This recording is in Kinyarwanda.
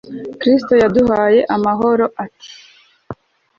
kristu yaduhay'amahoro, +r, ati